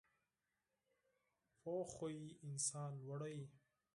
پوخ عادت انسان لوړوي